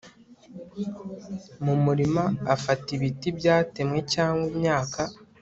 mu murima afata ibiti byatemwe cyangwa imyaka